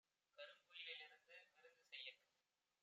கருங்குயி லிருந்து விருந்து செய்யக்